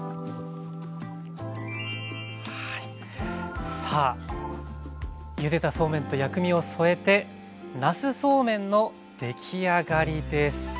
はいさあゆでたそうめんと薬味を添えて出来上がりです。